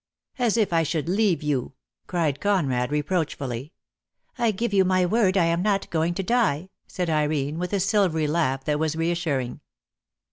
"As if I should leave you!" cried Conrad re proachfully. "I give you my word I am not going to die," said Irene, with a silvery laugh that was re assuring.